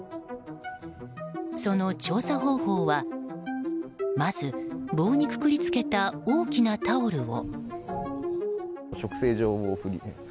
その調査方法はまず、棒にくくりつけた大きなタオルを。